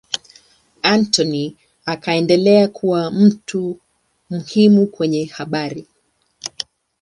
Anthony akaendelea kuwa mtu muhimu kwenye habari.